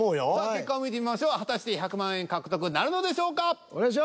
結果を見てみましょう果たして１００万円獲得なるのでしょうか？